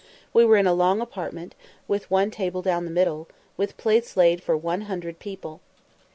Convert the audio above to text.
We were in a long apartment, with one table down the middle, with plates laid for one hundred people.